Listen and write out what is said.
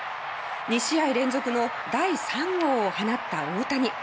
２試合連続の第３号を放った大谷。